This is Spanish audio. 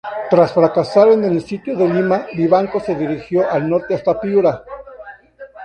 Tras fracasar en el sitio de Lima, Vivanco se dirigió al norte hasta Piura.